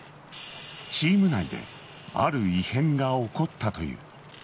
チーム内である異変が起こったという。